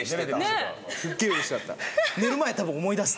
すっげえうれしかった。